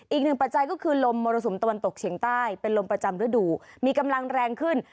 ปัจจัยก็คือลมมรสุมตะวันตกเฉียงใต้เป็นลมประจำฤดูมีกำลังแรงขึ้น